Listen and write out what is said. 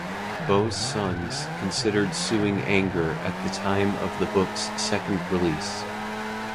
Bow's sons considered suing Anger at the time of the book's second release.